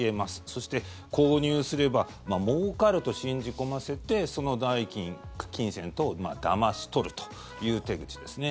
そして、購入すればもうかると信じ込ませてその代金、金銭等をだまし取るという手口ですね。